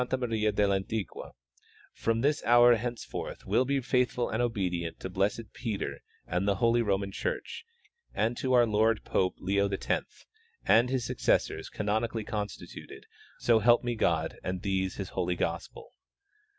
Maria del Antiqua, from this hour henceforth will be faithful and obedient to blessed Peter and the holy Roman church and to our Lord Pope Leo X and his successors canonically constituted, so help me God and these His holy gospel.